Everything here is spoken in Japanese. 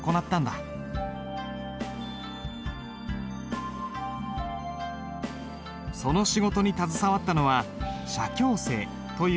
その仕事に携わったのは写経生という専門の人たちだった。